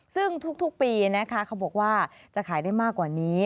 ซึ่งทุกปีนะคะเขาบอกว่าจะขายได้มากกว่านี้